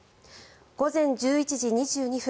午前１１時２２分